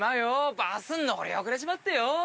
バスに乗り遅れちまってよぉ。